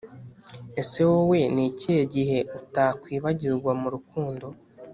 Ese wowe nikihe gihe utakwibagirwa murukundo